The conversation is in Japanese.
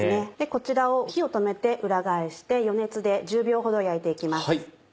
こちらを火を止めて裏返して余熱で１０秒ほど焼いて行きます。